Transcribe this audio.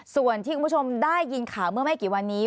ส่วนที่คุณผู้ชมได้ยินข่าวเมื่อไม่กี่วันนี้